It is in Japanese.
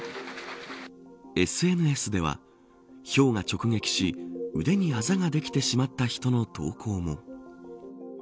ＳＮＳでは、ひょうが直撃し腕にあざができてしまった人の投稿も。